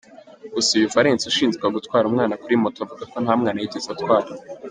Gusa uyu valens ushinjwa gutwara umwana kuri moto, avuga ko nta mwana yigeze atwara.